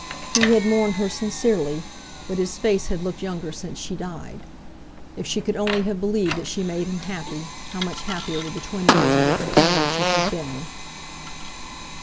He had mourned her sincerely, but his face had looked younger since she died. If she could only have believed that she made him happy, how much happier would the twenty years of their companionship have been!